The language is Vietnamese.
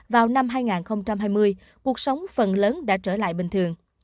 vào năm hai nghìn hai mươi cuộc sống phần lớn đã trở lại bình thường